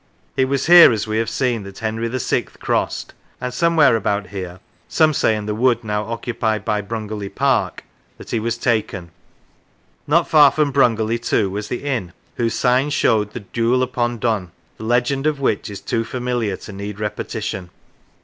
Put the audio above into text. It was here, as we have seen, that Henry VI. crossed, and somewhere about here, some say in the wood now occupied by Brungerly Park, that he was taken. Not far from Brungerley, too, was the inn whose sign showed the Dule upon Dun, the legend of which is too familiar to need repetition.